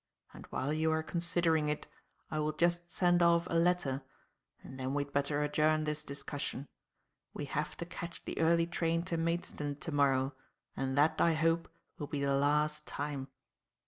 And while you are considering it, I will just send off a letter, and then we had better adjourn this discussion. We have to catch the early train to Maidstone to morrow, and that, I hope, will be the last time.